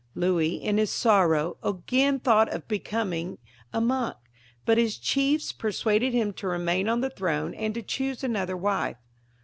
Louis, in his sorrow, again thought of becoming a monk, but his chiefs persuaded him to remain on the throne and to choose another wife.